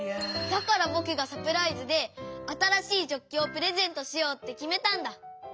だからぼくがサプライズであたらしいジョッキをプレゼントしようってきめたんだ！